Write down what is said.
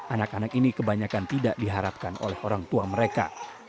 anak anak ini kebanyakan tidak diharapkan oleh orang tua mereka